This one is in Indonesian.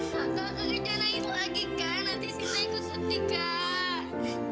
kakak kakak jangan lagi kak nanti sita ikut sedih kak